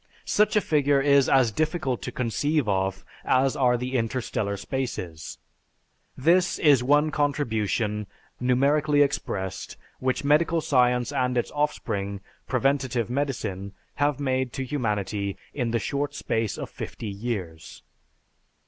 Such a figure is as difficult to conceive of as are the interstellar spaces. This is one contribution, numerically expressed, which medical science and its offspring, preventive medicine, have made to humanity in the short space of fifty years.